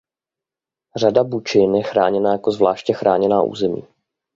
Řada bučin je chráněna jako zvláště chráněná území.